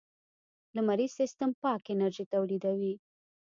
لمریز سیستم پاک انرژي تولیدوي.